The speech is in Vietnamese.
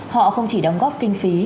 họ không chỉ đóng góp kinh phí